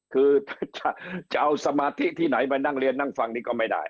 คือถ้าจะเอาสมาธิที่ไหนไปนั่งเรียนนั่งฟังนี่ก็ไม่ได้